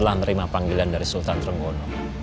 baiklah setelah menerima panggilan dari sultan trenggono